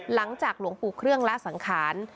หลังจากหลวงปู่เครื่องละสังคาร